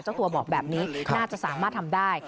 เจ้าตัวบอกแบบนี้น่าจะสามารถทำได้